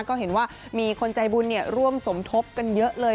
ก็เห็นว่ามีคนใจบุญร่วมสมทบกันเยอะเลย